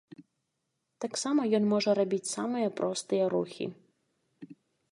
Таксама ён можа рабіць самыя простыя рухі.